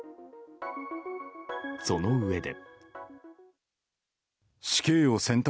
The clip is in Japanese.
そのうえで。